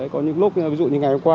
có những lúc ví dụ như ngày hôm qua